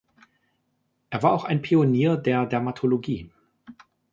Er war auch ein Pionier der Dermatologie.